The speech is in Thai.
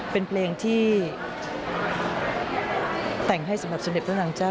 ร้องเพลงให้สำหรับมูลนิธิชัยพัฒนา